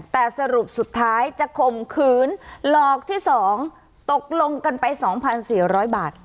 แต่สรุปสุดท้ายจะข่มขืนหลอกที่๒ตกลงกันไป๒๔๐๐บาท